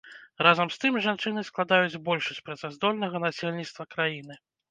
Разам з тым жанчыны складаюць большасць працаздольнага насельніцтва краіны.